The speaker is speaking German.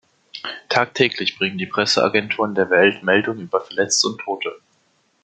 Tagtäglich bringen die Presseagenturen der Welt Meldungen über Verletzte und Tote.